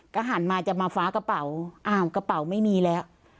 ก็หันมาจะมาฟ้ากระเป๋าอ้าวกระเป๋าไม่มีแล้ว